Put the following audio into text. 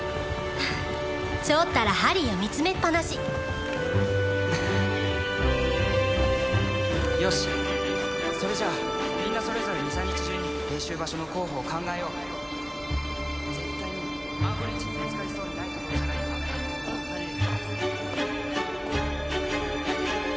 チョウったらハリーを見つめっぱなしよしそれじゃみんなそれぞれ２３日中に練習場所の候補を考えよう絶対にアンブリッジに見つかりそうにないところじゃないとダメだうんハリー